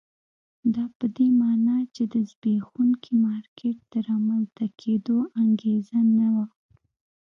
دا په دې معنی چې د زبېښونکي مارکېټ د رامنځته کېدو انګېزه نه وه.